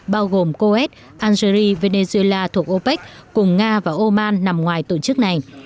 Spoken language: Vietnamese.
bao gồm coed algerie venezuela thuộc opec cùng nga và oman nằm ngoài tổ chức này